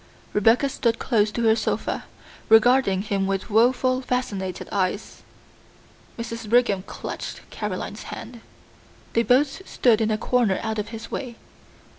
Rebecca stood close to her sofa, regarding him with woeful, fascinated eyes. Mrs. Brigham clutched Caroline's hand. They both stood in a corner out of his way.